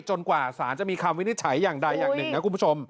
กว่าสารจะมีคำวินิจฉัยอย่างใดอย่างหนึ่งนะคุณผู้ชม